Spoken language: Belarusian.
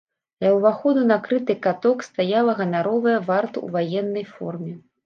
Ля ўваходу на крыты каток стаяла ганаровая варта ў ваеннай форме.